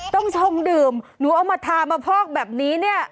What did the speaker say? ต้องชมดื่มหนูเอามาทามาพอกแบบนี้เนี่ย